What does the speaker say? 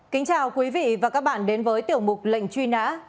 kính chào quý vị và các bạn đến với tiểu mục lệnh truy nã